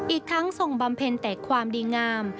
อีกทั้งส่งบำเพ็ญแต่ความดีงาม